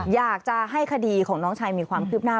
อยากจะให้คดีของน้องชายมีความคืบหน้า